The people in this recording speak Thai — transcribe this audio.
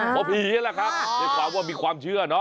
เพราะผีนั่นแหละครับด้วยความว่ามีความเชื่อเนอ